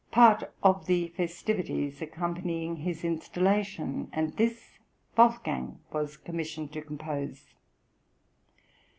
} (139) part of the festivities accompanying his installation, and this Wolfgang was commissioned to compose.